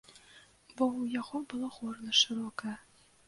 Бо ў яго было горла шырокае.